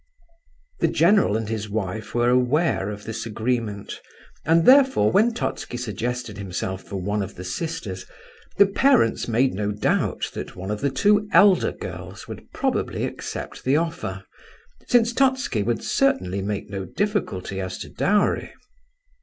The general and his wife were aware of this agreement, and, therefore, when Totski suggested himself for one of the sisters, the parents made no doubt that one of the two elder girls would probably accept the offer, since Totski would certainly make no difficulty as to dowry.